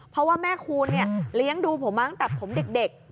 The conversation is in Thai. เพราะว่าแม่คูณเลี้ยงดูผมมาตั้งแต่ผมเด็ก